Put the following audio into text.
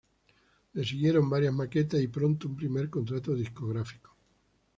Le siguieron varias maquetas y pronto un primer contrato discográfico.